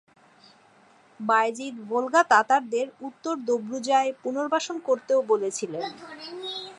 Bayzid Volga তাতারদের উত্তর দোব্রুজায় পুনর্বাসন করতে ও বলেছিলেন।